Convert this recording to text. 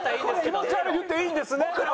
「気持ち悪い」言っていいんですね？